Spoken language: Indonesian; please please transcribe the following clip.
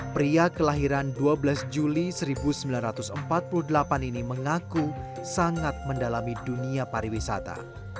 pria kelahiran dua belas juli seribu sembilan ratus empat puluh delapan ini mengaku sangat mendalami dunia pariwisata